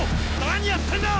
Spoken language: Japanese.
何やってんだ！